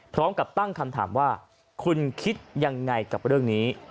พร้อมกับตั้งคำถามว่าคุณคิดยังไงกับเรื่องนี้